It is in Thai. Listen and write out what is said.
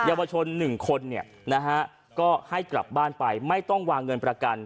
เยาวชน๑คนเนี่ยนะฮะก็ให้กลับบ้านไปไม่ต้องวางเงินประกัน